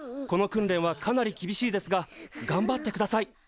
この訓練はかなり厳しいですががんばってください。